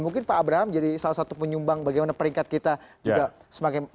mungkin pak abraham jadi salah satu penyumbang bagaimana peringkat kita juga semakin